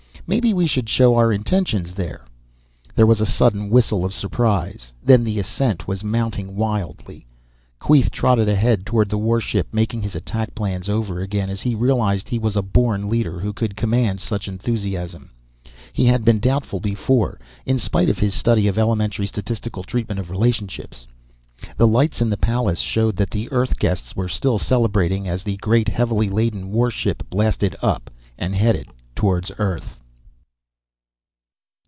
"Maybe we should show our intentions there!" There was a sudden whistle of surprise. Then the assent was mounting wildly. Queeth trotted ahead toward the warship, making his attack plans over again as he realized he was a born leader who could command such enthusiasm. He had been doubtful before, in spite of his study of elementary statistical treatment of relationships. The lights in the palace showed that the Earth guests were still celebrating as the great, heavily laden warship blasted up and headed toward Earth.